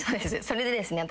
それでですね